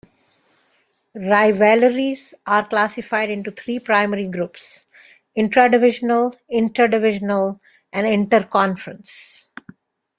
Rivalries are classified into three primary groups; intradivisional, interdivisional, and interconference.